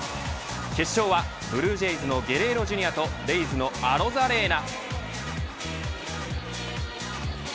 決勝はブルージェイズのゲレーロＪｒ．とレイズのアロザレーナ。